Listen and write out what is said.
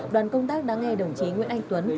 đoàn công tác đã nghe đồng chí nguyễn anh tuấn